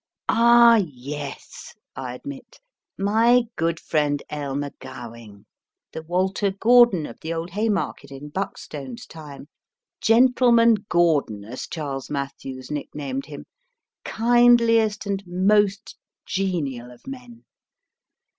Ah, yes, I admit ; my good friend Aylmer Cowing the " Walter Gordon " of the old Haymarket in Buckstone s time, " Gentleman Gordon " as Charles Matthews nicknamed him kindliest and most genial of men.